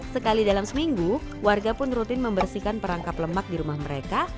sekali dalam seminggu warga pun rutin membersihkan perangkap lemak di rumah mereka